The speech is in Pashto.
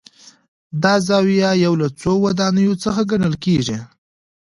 دا زاویه یو له څو ودانیو څخه ګڼل کېږي.